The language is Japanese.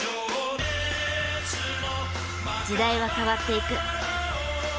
時代は変わっていく。